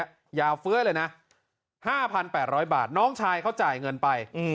ยาเฟื้อเลยนะ๕๘๐๐บาทน้องชายเขาจ่ายเงินไป